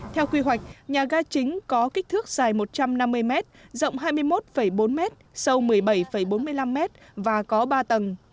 theo quy hoạch nhà ga chính có kích thước dài một trăm năm mươi m rộng hai mươi một bốn m sâu một mươi bảy bốn mươi năm m và có ba tầng